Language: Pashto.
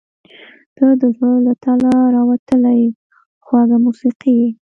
• ته د زړه له تله راوتلې خوږه موسیقي یې.